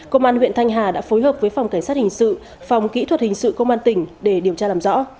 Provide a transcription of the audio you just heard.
công an huyện thanh hà đã phối hợp với phòng cảnh sát hình sự phòng kỹ thuật hình sự công an tỉnh để điều tra làm rõ